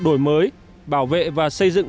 đổi mới bảo vệ và xây dựng